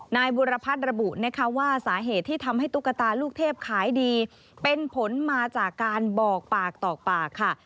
นายบุรพัฒน์ระบุนะคะว่าสาเหตุที่ทำให้ตุ๊กตาลูกเทพขายดีเป็นผลมาจากการบอกปากต่อปากค่ะ